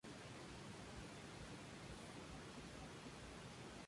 Con este nuevo sistema, no tendrás que jugar más como un Padawan.